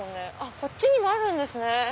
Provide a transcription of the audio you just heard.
こっちにもあるんですね。